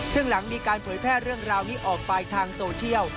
ซึ่งหลังมีการเผยแพร่เรื่องราวนี้ออกไปทางโซเชียล